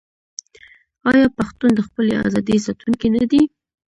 آیا پښتون د خپلې ازادۍ ساتونکی نه دی؟